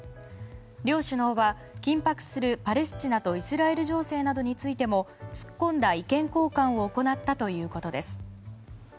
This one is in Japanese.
両首脳は緊迫するパレスチナとイスラエル情勢などについても突っ込んだ意見交換を行ったということです。